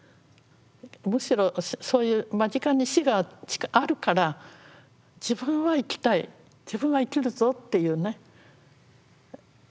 むしろそういう間近に死があるから自分は生きたい自分は生きるぞっていうねとこがあるんじゃない？